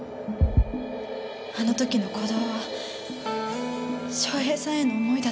あの時の鼓動は翔平さんへの思いだったのか。